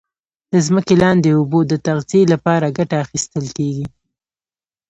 د ځمکې لاندي اوبو د تغذیه لپاره کټه اخیستل کیږي.